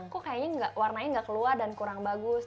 kok kayaknya warnanya nggak keluar dan kurang bagus